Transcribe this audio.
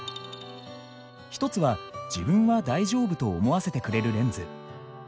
一つは「自分は大丈夫」と思わせてくれるレンズ。